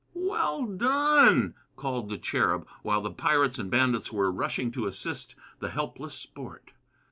"Well done!" called the Cherub, while the pirates and bandits were rushing to assist the helpless Sport.